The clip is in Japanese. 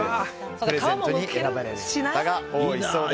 プレゼントに選ばれる方が多いそうです。